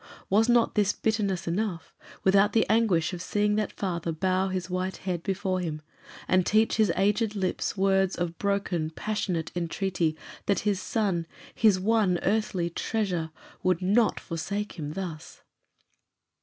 Was not this bitterness enough, without the anguish of seeing that father bow his white head before him, and teach his aged lips words of broken, passionate entreaty that his son his one earthly treasure would not forsake him thus?